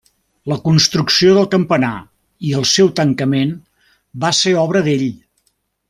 La construcció del campanar i el seu tancament va ser obra d'ell.